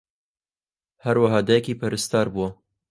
ھەروەھا دایکی پەرستار بووە